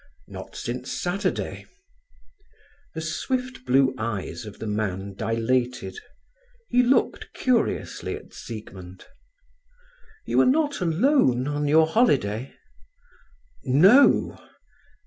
"Not since Saturday." The swift blue eyes of the man dilated. He looked curiously at Siegmund. "You are not alone on your holiday?" "No."